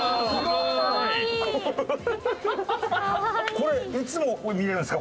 これいつも見れるんですか？